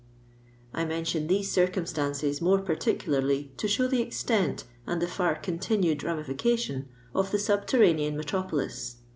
I mention theac circnmBtances more particularly to show the extent, and the far continued ramitica tion, of the subterranean metropolis.